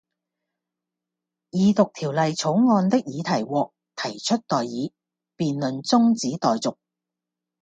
二讀條例草案的議題獲提出待議，辯論中止待續